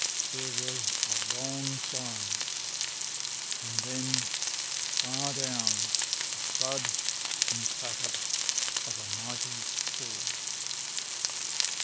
There was a long silence and then, far down, the thud and clatter of a mighty fall.